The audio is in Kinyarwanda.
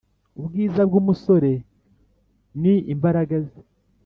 ubwiza bw’umusore ni imbaraga ze.